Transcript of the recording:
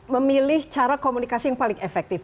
memilih cara komunikasi yang paling efektif